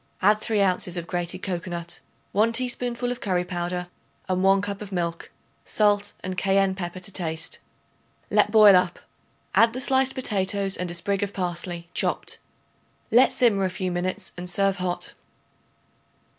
Add 3 ounces of grated cocoanut, 1 teaspoonful of curry powder and 1 cup of milk, salt and cayenne pepper to taste. Let boil up. Add the sliced potatoes and a sprig of parsley chopped. Let simmer a few minutes and serve hot.